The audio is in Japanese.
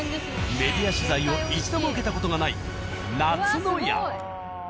メディア取材を一度も受けた事がない「夏の家」。